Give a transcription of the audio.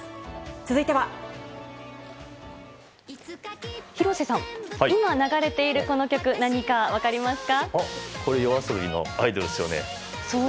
続いては廣瀬さん、今流れているこの曲これ、ＹＯＡＳＯＢＩの「アイドル」ですよね。